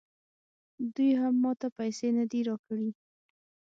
دوی هم ماته پیسې نه دي راکړي